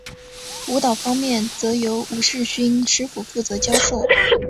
舞蹈方面则由吴世勋师傅负责教授。